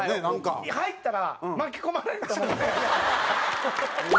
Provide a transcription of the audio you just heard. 入ったら巻き込まれると思って。